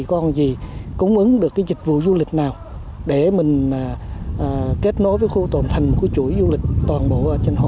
con gì cúng ứng được dịch vụ du lịch nào để mình kết nối với khu tồn thành của chuỗi du lịch toàn bộ trên hồ